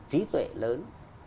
trí tuệ lớn